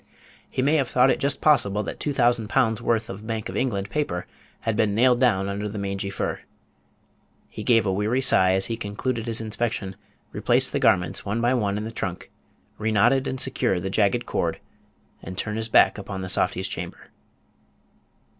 He may have thought it just possible that two thousand pounds worth of Bank of England paper had been nailed down under the mangy fur. He gave a weary sigh as he concluded his inspection, replaced the garments one by one in the trunk, reknotted and secured the jagged cord, and turned his back upon the softy's chamber.